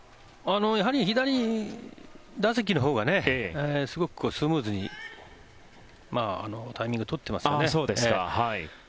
左打席のほうがすごくスムーズにタイミングを取ってますよね。